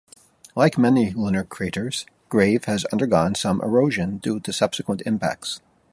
Like many lunar craters, Grave has undergone some erosion due to subsequent impacts.